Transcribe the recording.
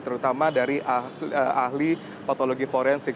terutama dari ahli patologi forensik